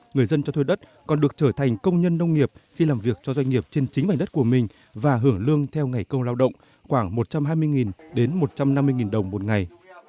người dân cho thuê đất còn được trở thành công nhân nông nghiệp khi làm việc cho doanh nghiệp trên chính mảnh đất của mình và hưởng lương theo ngày công lao động khoảng một trăm hai mươi đến một trăm năm mươi đồng một ngày